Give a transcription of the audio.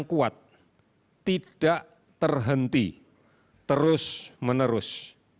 yang kuat tidak terhenti terus menerus